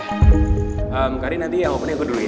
ehm karin nanti ya open nya gue dulu ya